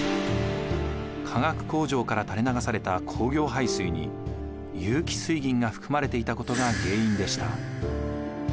化学工場から垂れ流された工業廃水に有機水銀が含まれていたことが原因でした。